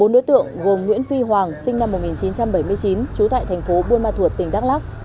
bốn đối tượng gồm nguyễn phi hoàng sinh năm một nghìn chín trăm bảy mươi chín trú tại thành phố buôn ma thuột tỉnh đắk lắc